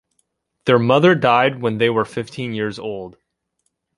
Their mother died when they were fifteen years old.